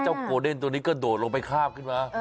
เจ้าโกเดนตัวนี้ก็โดดลงไปข้าบขึ้นมา